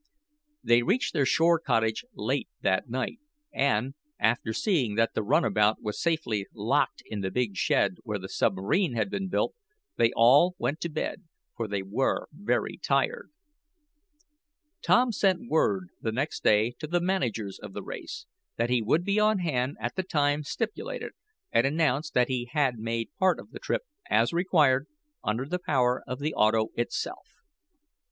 They reached their shore cottage late that night, and, after seeing that the runabout was safely locked in the big shed where the submarine had been built, they all went to bed, for they were very tired. Tom sent word, the next day, to the managers of the race, that he would be on hand at the time stipulated, and announced that he had made part of the trip, as required, under the power of the auto itself.